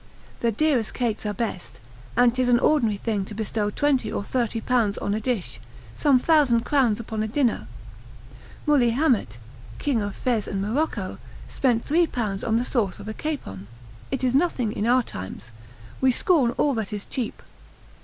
The dearest cates are best, and 'tis an ordinary thing to bestow twenty or thirty pounds on a dish, some thousand crowns upon a dinner: Mully Hamet, king of Fez and Morocco, spent three pounds on the sauce of a capon: it is nothing in our times, we scorn all that is cheap.